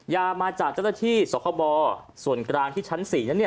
ยามีจาธิส่วนกลางที่ชั้น๔เนี่ย